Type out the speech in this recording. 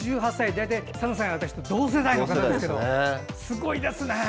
大体、ＳＡＭさんや私と同世代の方ですけどすごいですね。